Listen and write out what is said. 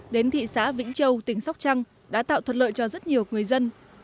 đến thị xã vĩnh châu tỉnh sóc trăng đã tạo thuận lợi cho rất nhiều người dân